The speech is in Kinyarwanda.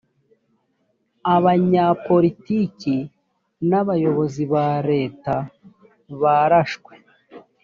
abanyapolitiki n abayobozi ba leta barashwe